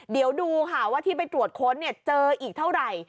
เดี๋ยวดูค่ะที่ไปตรวจค้นเจออีกเท่าไร